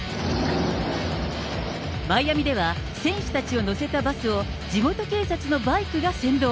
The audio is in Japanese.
マイアミでは、選手たちを乗せたバスを地元警察のバイクが先導。